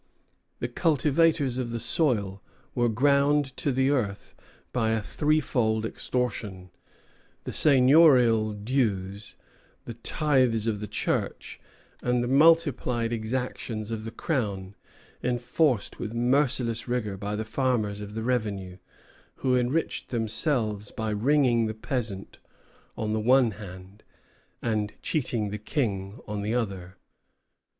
The cultivators of the soil were ground to the earth by a threefold extortion, the seigniorial dues, the tithes of the Church, and the multiplied exactions of the Crown, enforced with merciless rigor by the farmers of the revenue, who enriched themselves by wringing the peasant on the one hand, and cheating the King on the other.